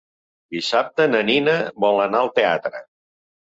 Dissabte na Nina vol anar al teatre.